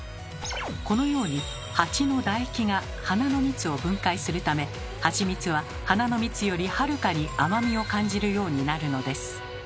このようにハチのだ液が花の蜜を分解するためハチミツは花の蜜よりはるかに甘みを感じるようになるのです。